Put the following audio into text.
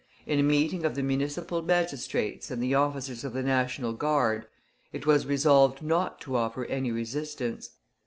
In a meeting of the municipal magistrates and the officers of the National Guard, it was resolved not to offer any resistance.